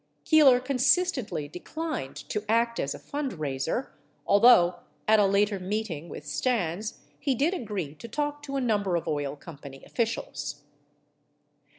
Keeler consistently declined to act as a fundraiser, although at a later meeting with Stans he did agree to tal k to a number of oil company officials.